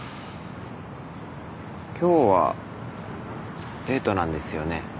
今日はデートなんですよね。